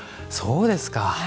そうですか。